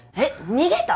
逃げた？